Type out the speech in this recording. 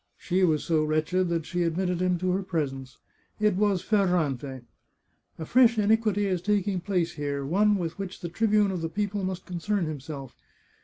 She was so wretched that she ad mitted him to her presence. It was Ferrante. " A fresh iniquity is taking place here — one with which the tribune of the people must concern himself.